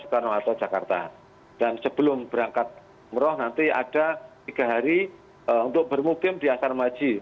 dan sebelum berangkat umroh nanti ada tiga hari untuk bermukim di asar maji